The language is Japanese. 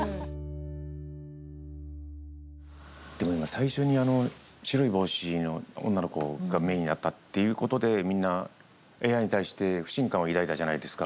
最初に「白いぼうし」の女の子がメインになったっていうことでみんなＡＩに対して不信感を抱いたじゃないですか。